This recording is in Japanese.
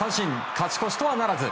勝ち越しとはならず。